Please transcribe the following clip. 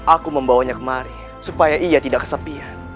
aku membawanya kemari supaya ia tidak kesepian